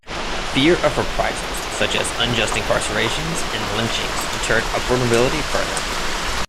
Fear of reprisals such as unjust incarcerations and lynchings deterred upward mobility further.